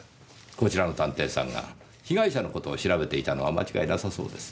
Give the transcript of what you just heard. こちらの探偵さんが被害者の事を調べていたのは間違いなさそうです。